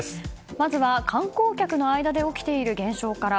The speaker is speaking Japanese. まずは観光客の間で起きている現象から。